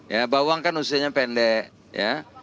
ya bawang kan usianya pendek ya